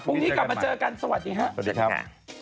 พรุ่งนี้กลับมาเจอกันสวัสดีครับ